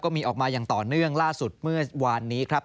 มีออกมาอย่างต่อเนื่องล่าสุดเมื่อวานนี้ครับ